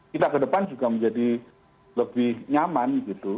kita ke depan juga menjadi lebih nyaman gitu